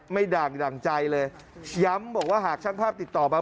ด่างดั่งใจเลยย้ำบอกว่าหากช่างภาพติดต่อมา